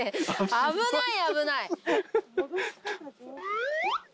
危ない危ない。